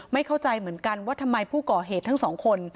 ไม่เข้าใจเหมือนกันว่าทำไมผู้ก่อเหตุทั้งสองคน